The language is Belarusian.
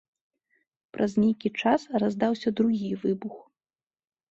Праз нейкі час раздаўся другі выбух.